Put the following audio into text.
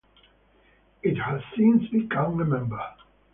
It has since become a member.